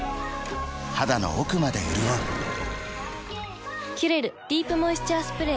肌の奥まで潤う「キュレルディープモイスチャースプレー」